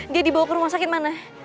dia dibawa ke rumah sakit mana